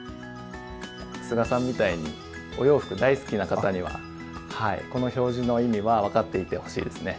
須賀さんみたいにお洋服大好きな方にはこの表示の意味は分かっていてほしいですね。